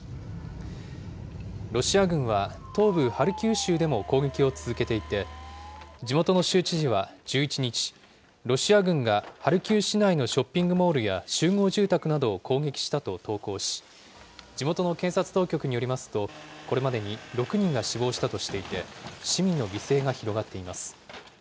ロシア軍は東部ハルキウ州でも攻撃を続けていて、地元の州知事は１１日、ロシア軍がハルキウ市内のショッピングモールや集合住宅などを攻撃したと投稿し、地元の検察当局によりますと、これまでに６人が死亡したとしていて、市民の犠牲が広がっています。